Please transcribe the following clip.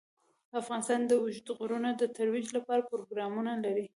افغانستان د اوږده غرونه د ترویج لپاره پروګرامونه لري.